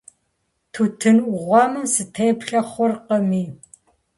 Тутын Ӏугъуэмэм сытеплъэ хъуркъыми.